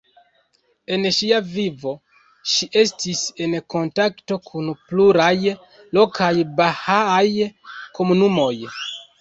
En ŝia vivo ŝi estis en kontakto kun pluraj lokaj bahaaj komunumoj.